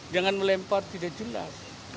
jangan melempar tidak jelas